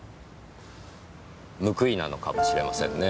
報いなのかもしれませんね。